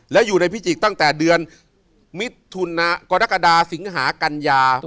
แล้วอยู่ในพิจิกตั้งแต่เดือนมิถุนากรกฎาสิงหากัญญา